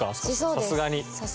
さすがに。